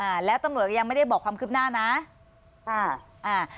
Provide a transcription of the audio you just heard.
อ่าแล้วตำรวจก็ยังไม่ได้บอกความคืบหน้านะค่ะอ่า